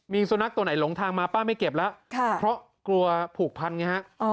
มีสุนัขตัวไหนหลงทางมาป้าไม่เก็บแล้วเพราะกลัวผูกพันไงฮะ